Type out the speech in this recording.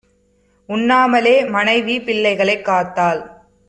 உண்ணாமலே மனைவி பிள்ளைகளைக் காத்தாள்.